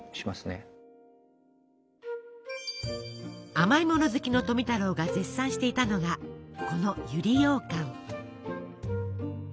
甘いもの好きの富太郎が絶賛していたのがこの百合ようかん。